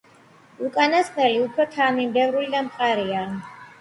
უკანასკნელი უფრო თანამიმდევრული და მყარია.